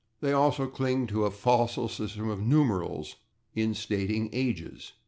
They also cling to a fossil system of numerals in stating ages.